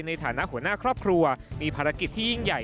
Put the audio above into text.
ในฐานะหัวหน้าครอบครัวมีภารกิจที่ยิ่งใหญ่